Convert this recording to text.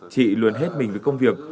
chị luôn hết mình với công việc